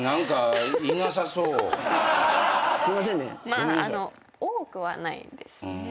まああのう多くはないですね。